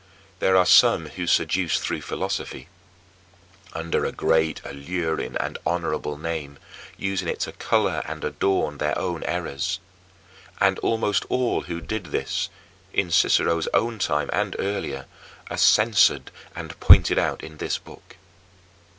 There are some who seduce through philosophy, under a great, alluring, and honorable name, using it to color and adorn their own errors. And almost all who did this, in Cicero's own time and earlier, are censored and pointed out in his book.